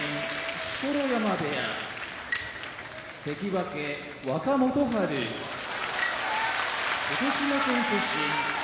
錣山部屋関脇・若元春福島県出身荒汐